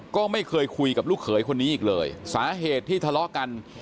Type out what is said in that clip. ก็ไม่เคยคุยกับลูกเขยคนนี้อีกเลยสาเหตุที่ทะเลาะกัน